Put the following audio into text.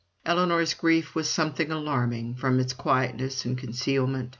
Ellinor's grief was something alarming, from its quietness and concealment.